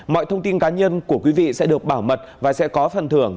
mọi thông tin cá nhân của quý vị sẽ được bảo mật và sẽ có phần thưởng